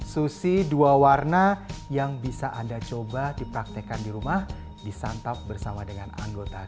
sushi dua warna yang bisa anda coba dipraktekan di rumah disantap bersama dengan anggota